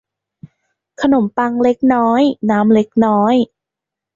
ขนมปังเล็กน้อยน้ำเล็กน้อย